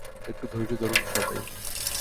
একটু ধৈর্য ধরুন সবাই।